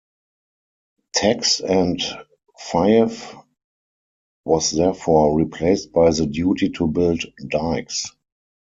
Tax and fief was therefore replaced by the duty to build dikes.